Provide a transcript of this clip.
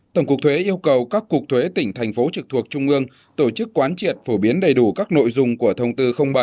tổng cục thuế yêu cầu các cục thuế tỉnh thành phố trực thuộc trung ương tổ chức quán triệt phổ biến đầy đủ các nội dung của thông tư bảy